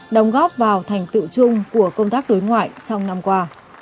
đóng góp vào thành tựu chung của công tác đối ngoại trong năm qua